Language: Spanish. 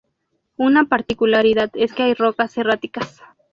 Una particularidad es que hay rocas erráticas.